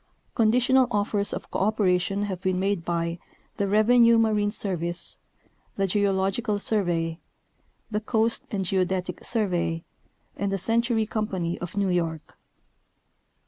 i Conditional offers of cooperation have been made b}^ the Revenue Marine Service, the Geological Survey, the Coast and Geodetic Survey, and the Century Company of New York.